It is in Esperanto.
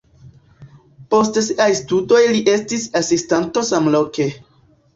Post siaj studoj li estis asistanto samloke.